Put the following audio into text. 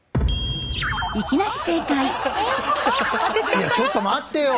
いやちょっと待ってよ。